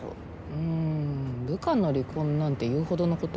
うん部下の離婚なんて言うほどのこと？